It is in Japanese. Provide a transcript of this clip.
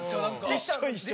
一緒一緒！